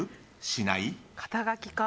しない？